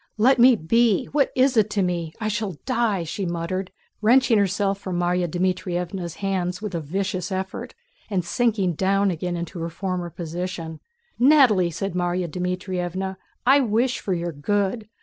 "Let me be!... What is it to me?... I shall die!" she muttered, wrenching herself from Márya Dmítrievna's hands with a vicious effort and sinking down again into her former position. "Natalie!" said Márya Dmítrievna. "I wish for your good.